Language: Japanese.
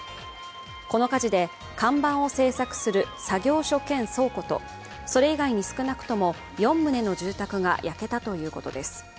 この火事で看板を制作する作業所兼倉庫とそれ以外に少なくとも４棟の住宅が焼けたということです